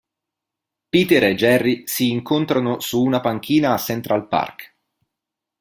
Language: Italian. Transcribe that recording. Peter e Jerry si incontrano su una panchina a Central Park.